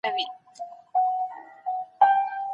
امامان د دیني مسایلو په پوهولو کي مرسته کوي.